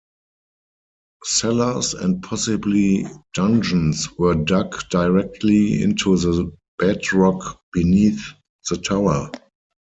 Cellars and possibly dungeons were dug directly into the bedrock beneath the tower.